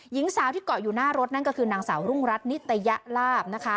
หญิงสาวที่เกาะอยู่หน้ารถนั่นก็คือนางสาวรุ่งรัฐนิตยลาบนะคะ